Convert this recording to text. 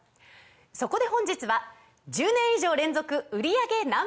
そこで本日は１０年以上連続売り上げＮｏ．１